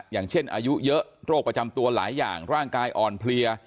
อย่างเช่นอายุเยอะโรคประจำตัวหลายอย่างร่างกายอ่อนเพลีย